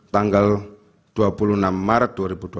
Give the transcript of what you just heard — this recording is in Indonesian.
tanggal dua puluh enam maret dua ribu dua puluh